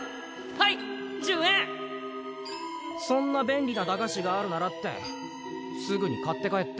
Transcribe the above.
そんな便利な駄菓子があるならってすぐに買って帰って。